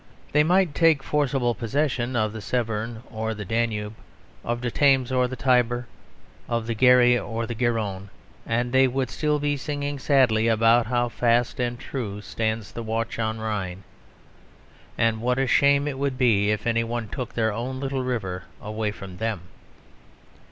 They might take forcible possession of the Severn or the Danube, of the Thames or the Tiber, of the Garry or the Garonne and they would still be singing sadly about how fast and true stands the watch on Rhine; and what a shame it would be if any one took their own little river away from them.